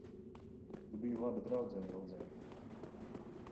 Tu biji laba draudzene Ilzei.